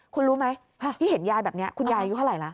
คุณรู้ไหมที่เห็นยายแบบนี้คุณยายอายุเท่าไหร่ละ